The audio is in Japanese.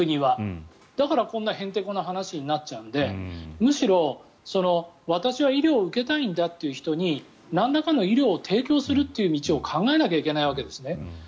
だから、こんなへんてこな話になっちゃうんでむしろ私は医療を受けたいんだという人になんらかの医療を提供するという道を考えなきゃいけないわけですね。